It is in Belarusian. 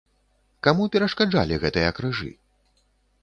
Каму перашкаджалі гэтыя крыжы?